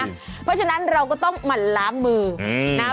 เพราะฉะนั้นเราก็ต้องหมั่นล้างมือนะครับ